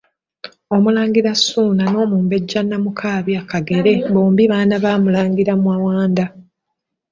Omulangira Ssuuna n'Omumbejja Nnaamukaabya Kagere, bombi baana ba Mulangira Mawanda.